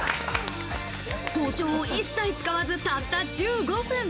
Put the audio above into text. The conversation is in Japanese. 包丁を一切使わずたった１５分。